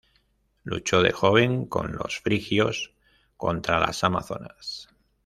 Luchó de joven con los frigios contra las Amazonas.